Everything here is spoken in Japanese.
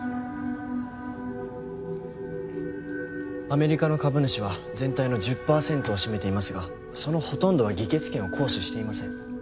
アメリカの株主は全体の１０パーセントを占めていますがそのほとんどは議決権を行使していません。